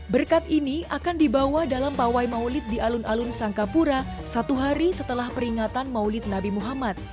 berkat ini akan dibawa dalam pawai maulid di alun alun sangkapura satu hari setelah peringatan maulid nabi muhammad